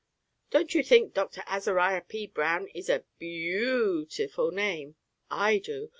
Don't you think Dr. Azariah P. Brown is a beau tiful name? I do.